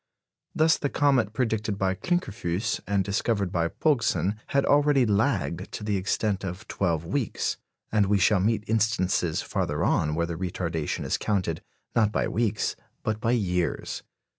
Thus the comet predicted by Klinkerfues and discovered by Pogson had already lagged to the extent of twelve weeks, and we shall meet instances farther on where the retardation is counted, not by weeks, but by years.